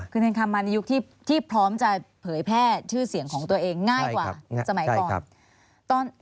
คือเนรคำมาในยุคที่พร้อมจะเผยแพร่ชื่อเสียงของตัวเองง่ายกว่าสมัยก่อน